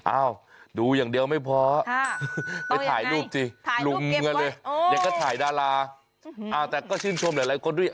อ้าวดูอย่างเดียวไม่พอไปถ่ายรูปสิถ่ายรูปเก็บไว้เดี๋ยวก็ถ่ายดาราอ้าวแต่ก็ชื่นชมหลายหลายคนด้วย